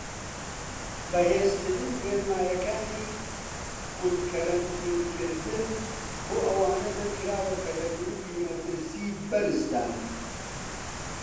بەهێزترین ڕێنماییەکانی خود کەرەنتین کردن بۆ ئەوانە دەرکراوە کە لە گروپی مەترسی بەرزدان.